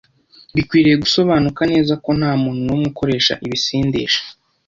Bikwiriye gusobanuka neza ko nta muntu n’umwe ukoresha ibisindisha